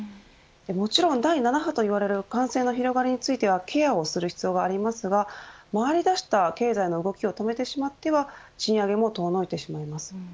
もちろん第７波といわれる感染の広がりについてはケアする必要がありますが回りだした経済の動きを止めてしまっては賃上げも遠のいてしまいます。